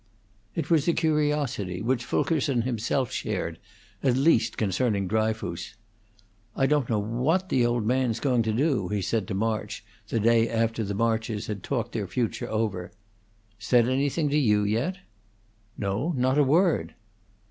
It was a curiosity which Fulkerson himself shared, at least concerning Dryfoos. "I don't know what the old man's going to do," he said to March the day after the Marches had talked their future over. "Said anything to you yet?" "No, not a word."